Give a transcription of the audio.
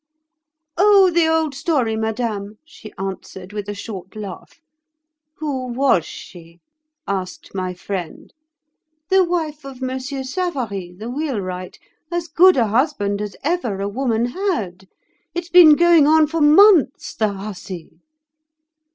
'Oh! the old story, Madame,' she answered, with a short laugh. 'Who was she?' asked my friend. 'The wife of Monsieur Savary, the wheelwright, as good a husband as ever a woman had. It's been going on for months, the hussy!